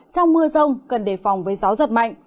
trong mưa rông cần đề phòng với gió giật mạnh